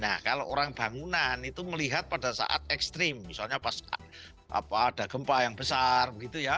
nah kalau orang bangunan itu melihat pada saat ekstrim misalnya pas ada gempa yang besar begitu ya